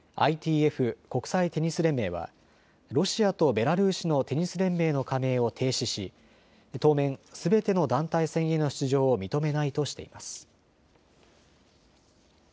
・国際テニス連盟はロシアとベラルーシのテニス連盟への加盟を停止し当面、すべての団体戦への出場を認めないとしています。